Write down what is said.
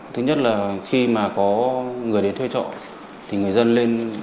thứ nhất là khi mà có người đến thuê trọ thì người dân lên